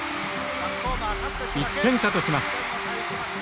１点差とします。